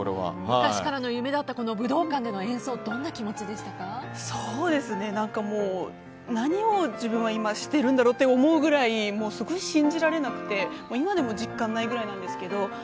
昔からの夢だった武道館での演奏何を今、自分はしているんだろうと思うぐらいすごい信じられなくて、今でも実感ないぐらいなんですけど